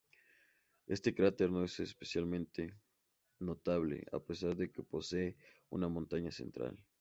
Este cráter no es especialmente notable, a pesar de que posee una montaña central.